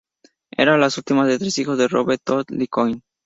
Era la última de tres hijos de Robert Todd Lincoln.